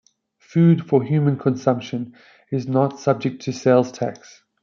Food for human consumption is not subject to sales tax.